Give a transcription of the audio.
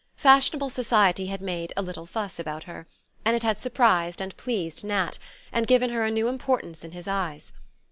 Fashionable society had made "a little fuss" about her, and it had surprised and pleased Nat, and given her a new importance in his eyes.